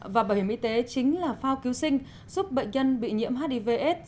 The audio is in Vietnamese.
và bảo hiểm y tế chính là phao cứu sinh giúp bệnh nhân bị nhiễm hiv aids